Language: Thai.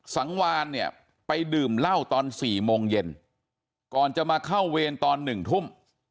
สังวานเนี่ยไปดื่มเหล้าตอน๔โมงเย็นก่อนจะมาเข้าเวรตอน๑ทุ่ม